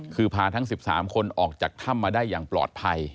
คือพาทั้ง๑๓คนออกจากถ้ำมาได้อย่างปลอดภัย